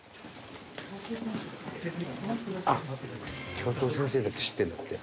教頭先生だけ知ってるんだって。